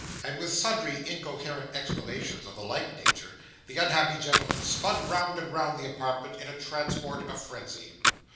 and with sundry incoherent exclamations of the like nature, the unhappy gentleman spun round and round the apartment, in a transport of frenzy.